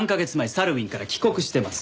サルウィンから帰国してます。